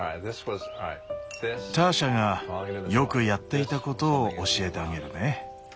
ターシャがよくやっていたことを教えてあげるね。